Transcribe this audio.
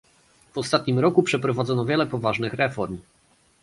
W ostatnim roku przeprowadzono wiele poważnych reform